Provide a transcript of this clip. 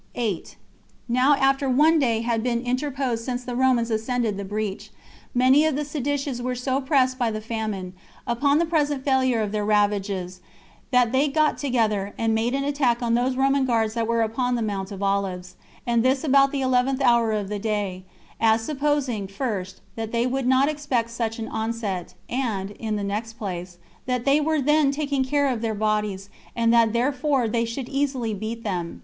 8. Now after one day had been interposed since the Romans ascended the breach, many of the seditious were so pressed by the famine, upon the present failure of their ravages, that they got together, and made an attack on those Roman guards that were upon the Mount of Olives, and this about the eleventh hour of the day, as supposing, first, that they would not expect such an onset, and, in the next place, that they were then taking care of their bodies, and that therefore they should easily beat them.